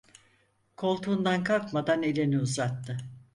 Koltuğundan kalkmadan elini uzattı.